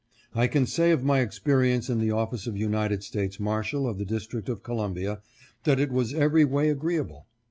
I can say of my experience in the office of United States Marshal of the District of Columbia that it was every way agreeable.